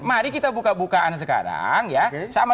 mari kita buka bukaan sekarang ya